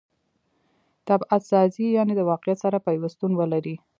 طبعت سازي؛ یعني د واقعیت سره پیوستون ولري.